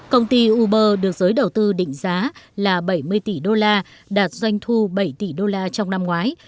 công ty uber được giới đầu tư định giá là bảy mươi tỷ đô la đạt doanh thu bảy tỷ đô la trong năm ngoái